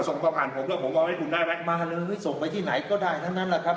ส่งความผ่านผมแล้วผมบอกให้คุณได้ไหมมาเลยหรือส่งไปที่ไหนก็ได้ทั้งนั้นแหละครับ